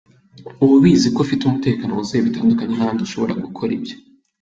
uba ubizi ko ufite umutekano wuzuye bitandukanye n’ahandi ushobora gukora ibyo